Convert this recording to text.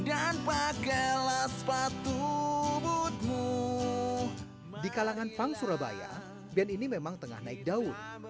dan pakailah sepatu butuh di kalangan pang surabaya dan ini memang tengah naik daun